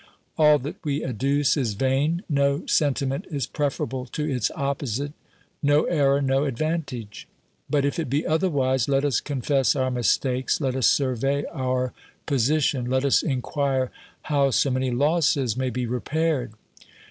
All that we adduce is vain ; no senti ment is preferable to its opposite, no error, no advantage. But if it be otherwise, let us confess our mistakes, let us survey our position ; let us inquire how so many losses may be repaired.